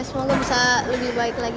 semoga bisa lebih baik lagi